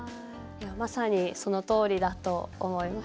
まさにそのとおりだと思いますね。